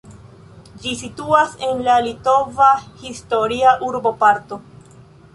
Ĝi situas en la litova historia urboparto.